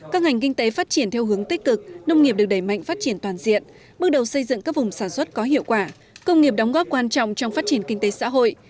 các ngành kinh tế phát triển theo hướng tích cực nông nghiệp được đẩy mạnh phát triển toàn diện bước đầu xây dựng các vùng sản xuất có hiệu quả công nghiệp đóng góp quan trọng trong phát triển kinh tế xã hội